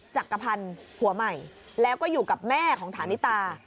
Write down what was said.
จักรพันธ์ผัวใหม่แล้วก็อยู่กับแม่ของฐานิตา